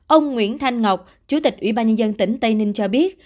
ông nguyễn thanh ngọc chủ tịch ủy ban nhân dân tỉnh tây ninh cho biết